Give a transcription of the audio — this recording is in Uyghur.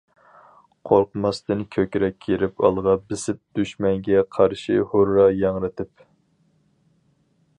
قورقماستىن كۆكرەك كېرىپ ئالغا بېسىپ، دۈشمەنگە قارشى ھۇررا ياڭرىتىپ.